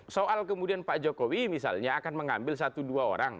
soal kemudian pak jokowi misalnya akan mengambil satu dua orang